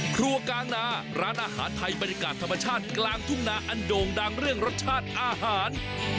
ครัวกลางนาร้านอาหารไทยบรรยากาศธรรมชาติกลางทุ่งนาอันโด่งดังเรื่องรสชาติอาหาร